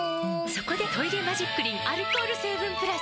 そこで「トイレマジックリン」アルコール成分プラス！